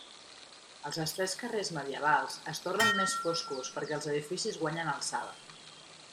Els estrets carrers medievals es tornen més foscos perquè els edificis guanyen alçada.